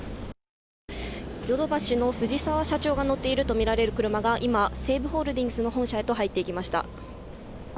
ヨドバシの藤沢社長が乗っているとみられる車が今西武ホールディングスの本社へと入っていきました。